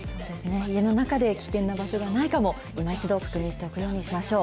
家の中で危険な場所がないかも、いま一度確認しておくようにしましょう。